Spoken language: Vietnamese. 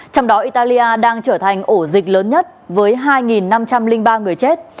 trong đó italia đang trở thành ổ dịch lớn nhất với hai năm trăm linh ba người chết